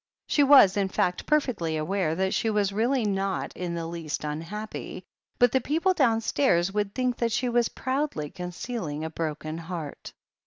She was, in fact, perfectly aware that she was really not in the least unhappy. But the people downstairs would think that she was proudly conceal ing a broken heart.